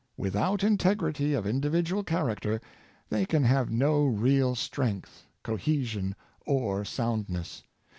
Without integrity of in dividual character, they can have no real strength, co hesion or soundness.